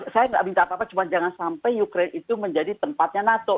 saya nggak minta apa apa cuma jangan sampai ukraine itu menjadi tempatnya nato